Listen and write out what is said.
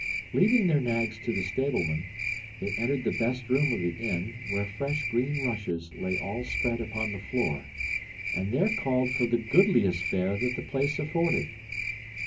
Leaving their nags to the stableman, they entered the best room of the inn, where fresh green rushes lay all spread upon the floor, and there called for the goodliest fare that the place afforded.